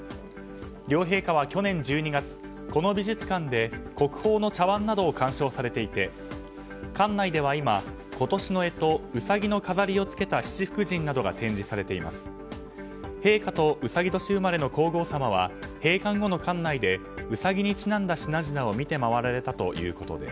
両陛下は去年１２月この美術館で国宝の茶わんなどを鑑賞されていて館内では今、今年の干支ウサギの飾りを付けた七福神などが展示されています。